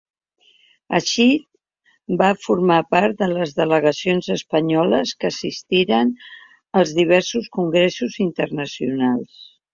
Així va formar part de les delegacions espanyoles que assistiren a diversos congressos internacionals.